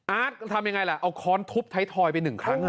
อาร์ตทำยังไงล่ะเอาค้อนทุบท้ายทอยไป๑ครั้ง